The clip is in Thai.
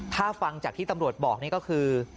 ถ้าฟังจากที่ตำรวจบอกนี่ก็คือ